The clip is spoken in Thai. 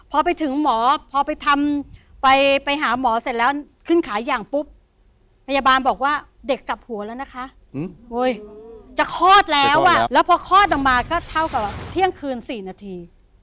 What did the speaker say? พอไปถึงหมอพอไปทำไปหาหมอเสร็จแล้วขึ้นขายอย่างปุ๊บพยาบาลบอกว่าเด็กกลับหัวแล้วนะคะจะคลอดแล้วอ่ะแล้วพอคลอดออกมาก็เท่ากับว่าเที่ยงคืน๔นาที